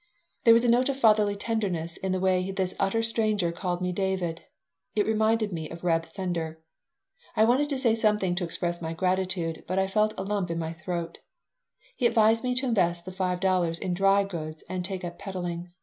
There was a note of fatherly tenderness in the way this utter stranger called me David. It reminded me of Reb Sender. I wanted to say something to express my gratitude, but I felt a lump in my throat He advised me to invest the five dollars in dry goods and to take up peddling.